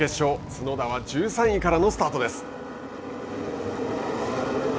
角田は１３位からのスタートです。